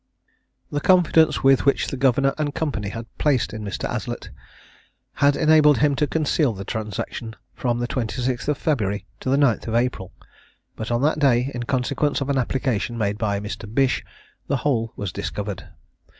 The confidence which the Governor and Company had placed in Mr. Aslett had enabled him to conceal the transaction from the 26th of February to the 9th of April; but on that day, in consequence of an application made by Mr. Bish, the whole was discovered.